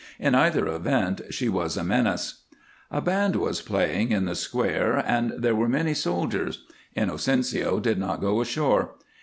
In either event she was a menace. A band was playing in the square, and there were many soldiers. Inocencio did not go ashore.